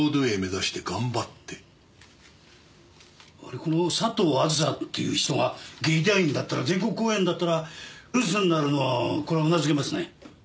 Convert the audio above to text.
この佐藤あずさっていう人が劇団員だったら全国公演だったら留守になるのはこれは頷けますね。